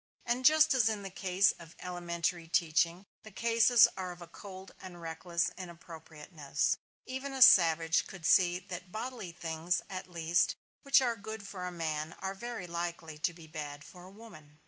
And just as in the case of elementary teaching, the cases are of a cold and reckless inappropriateness. Even a savage could see that bodily things, at least, which are good for a man are very likely to be bad for a woman.